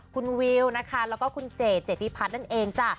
คุณวิวนะคะแล้วก็คุณเจเจติพัฒน์นั่นเองจ้ะ